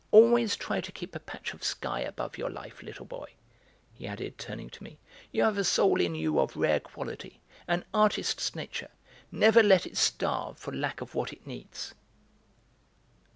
Always try to keep a patch of sky above your life, little boy," he added, turning to me. "You have a soul in you of rare quality, an artist's nature; never let it starve for lack of what it needs."